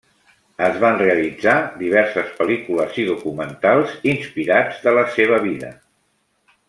Es van realitzar diverses pel·lícules i documentals inspirats de la seva vida.